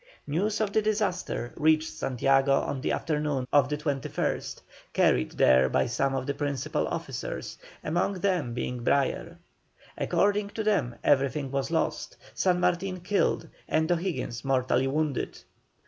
News of the disaster reached Santiago on the afternoon of the 21st, carried there by some of the principal officers, among them being Brayer. According to them everything was lost, San Martin killed, and O'Higgins mortally wounded.